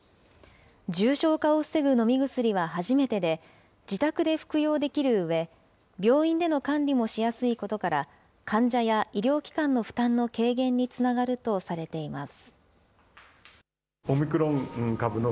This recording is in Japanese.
重症化を防ぐ飲み薬は初めてで、自宅で服用できるうえ、病院での管理もしやすいことから、患者や医療機関の負担の軽減につながるとされています。